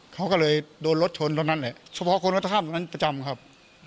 เขาก็เลยโดนรถชนเท่านั้นแหละเฉพาะคนก็ข้ามตรงนั้นประจำครับ